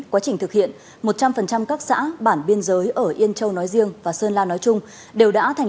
quá trình thực hiện một trăm linh các xã bản biên giới ở yên châu nói riêng và sơn la nói chung đều đã thành